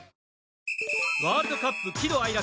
ワールドカップ喜怒哀楽。